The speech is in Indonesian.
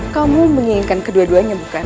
kamu menginginkan kedua duanya bukan